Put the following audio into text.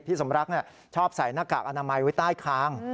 สมรักชอบใส่หน้ากากอนามัยไว้ใต้คาง